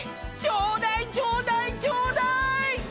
ちょうだいちょうだいちょうだい！